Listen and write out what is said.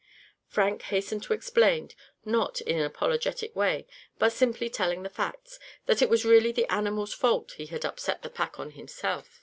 Frank hastened to explain, not in an apologetic way, but simply telling the facts, that it was really the animal's fault he had upset the pack on himself.